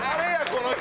この人！